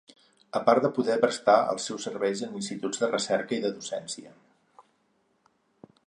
A part de poder prestar els seus serveis en instituts de recerca o de docència.